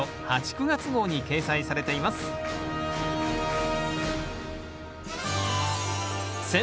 ９月号に掲載されています選